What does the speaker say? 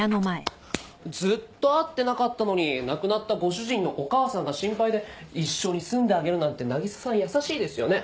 ずっと会ってなかったのに亡くなったご主人のお母さんが心配で一緒に住んであげるなんて渚さん優しいですよね。